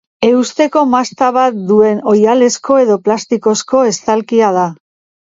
Eusteko masta bat duen oihalezko edo plastikozko estalkia da.